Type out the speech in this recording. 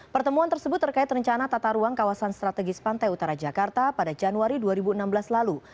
pertemuan tersebut terkait rencana tata ruang kawasan strategis pantai utara jakarta pada januari dua ribu enam belas lalu